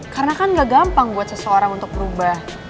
karena kan gak gampang buat seseorang untuk berubah